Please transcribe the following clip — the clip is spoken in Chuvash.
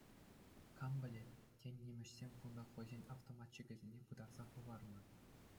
Кам пӗлет, тен нимӗҫсем кунта хӑйсен автоматчикӗсене пытарса хӑварнӑ.